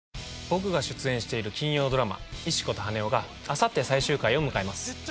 僕が出演している金曜ドラマ「石子と羽男」があさって最終回を迎えます